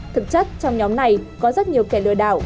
thực chất trong nhóm này có rất nhiều kẻ lừa đảo